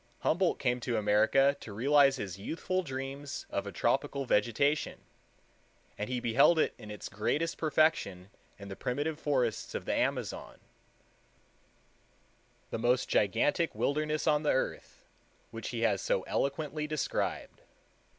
Humboldt came to America to realize his youthful dreams of a tropical vegetation, and he beheld it in its greatest perfection in the primitive forests of the Amazon, the most gigantic wilderness on the earth, which he has so eloquently described.